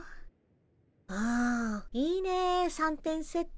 うんいいね三点セット。